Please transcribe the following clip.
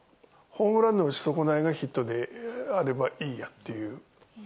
ホームランの打ち損ないがヒットであればいいやっていう。